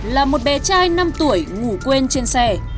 là một bé trai năm tuổi ngủ quên trên xe